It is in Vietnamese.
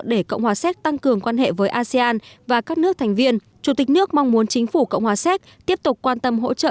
để cộng hòa séc tăng cường quan hệ với asean và các nước thành viên chủ tịch nước mong muốn chính phủ cộng hòa séc tiếp tục quan tâm hỗ trợ